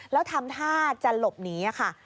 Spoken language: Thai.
แล้วทำท่าจะหลบหนีค่ะ